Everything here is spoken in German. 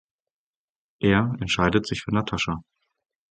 Er entscheidet sich für Natascha.